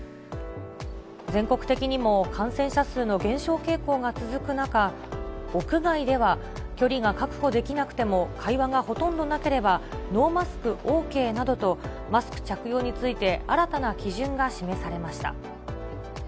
全国的にも感染者数の減少傾向が続く中、屋外では距離が確保できなくても会話がほとんどなければ、ノーマスクＯＫなどと、マスク着用について新たな基準が示されました。